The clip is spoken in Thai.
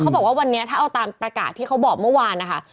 บอกว่าวันนี้ถ้าเอาตามประกาศที่เขาบอกเมื่อวานนะคะ